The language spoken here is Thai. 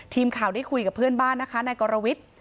ทีมข่าวได้คุยกับเพื่อนบ้านนะคะนายกรวิทย์